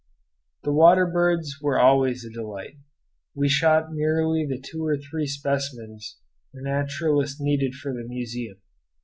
The water birds were always a delight. We shot merely the two or three specimens the naturalists needed for the museum.